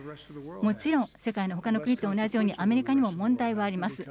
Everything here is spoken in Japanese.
もちろん、世界のほかの国と同じように、アメリカにも問題はあります。